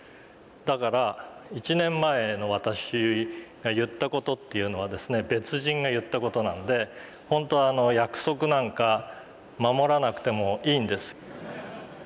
だから１年前の私が言った事っていうのは別人が言った事なので本当は約束なんか守らなくてもいいんです。